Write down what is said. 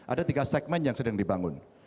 ada tiga segmen yang sedang dibangun